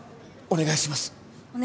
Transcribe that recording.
お願いします。